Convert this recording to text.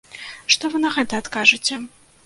Што вы на гэта адкажыце?